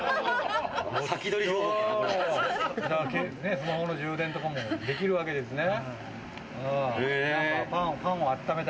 スマホの充電とかもできるわけですね。